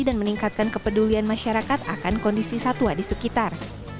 dan meningkatkan kepedulian masyarakat akan kondisi satwa di sekitar